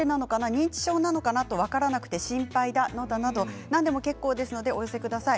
認知症なのかが分からなくて心配だなど何でも結構ですのでお寄せください。